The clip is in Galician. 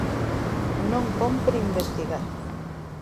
Non cómpre investigar.